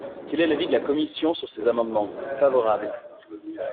Quel est l’avis de la commission sur ces amendements ? Favorable.